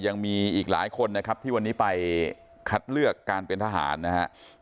ยังมีอีกหลายคนนะครับที่วันนี้ไปคัดเลือกการเป็นทหารนะครับ